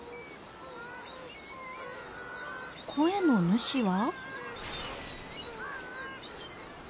声の主は？